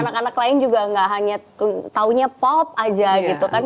anak anak lain juga nggak hanya taunya pop aja gitu kan